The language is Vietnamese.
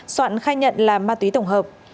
soạn khai nhận là ma túy tổng hợp